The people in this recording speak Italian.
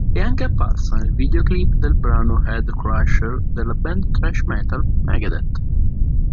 È anche apparsa nel videoclip del brano "Head Crusher" della band thrash metal Megadeth.